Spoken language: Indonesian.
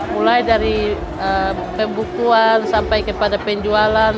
mulai dari pembukuan sampai kepada penjualan